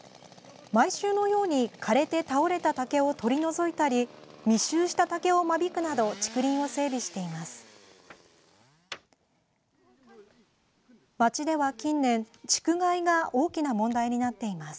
毎週のように枯れて倒れた竹を取り除いたり密集した竹を間引くなど竹林を整備しています。